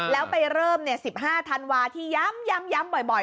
แล้วไปเริ่ม๑๕ธันวาที่ย้ำบ่อย